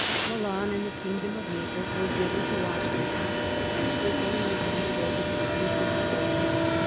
Milan and the kingdom of Naples were given to Austria, and Sicily was handed over to the Duke of Savoy.